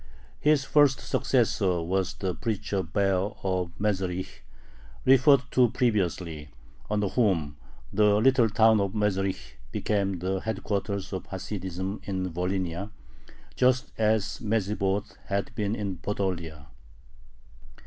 His first successor was the preacher Baer of Mezherich, referred to previously, under whom the little town of Mezherich became the headquarters of Hasidism in Volhynia, just as Medzhibozh had been in Podolia.